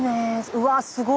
うわっすごい！